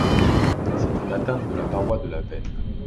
C'est une atteinte de la paroi de la veine.